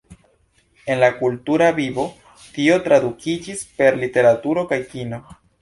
En la kultura vivo, tio tradukiĝis per literaturo kaj kino.